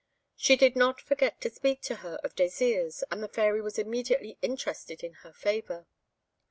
She did not forget to speak to her of Désirs, and the Fairy was immediately interested in her favour.